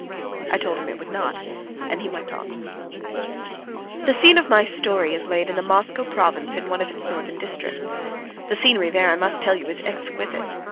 I told him it would not, and he went on: The scene of my story is laid in the Moscow province in one of its northern districts. The scenery there, I must tell you, is exquisite.